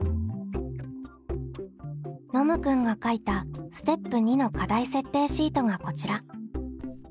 ノムくんが書いたステップ２の課題設定シートがこちら。